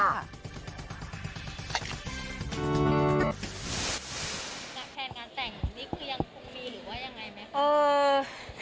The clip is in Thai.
แพลนงานแต่งนี่คือยังคงมีหรือว่ายังไงไหมคะ